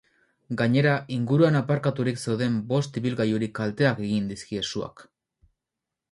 Gainera, inguruan aparkaturik zeuden bost ibilgailuri kalteak egin dizkie suak.